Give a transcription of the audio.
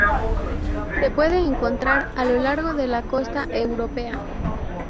Se puede encontrar a lo largo de la costa europea.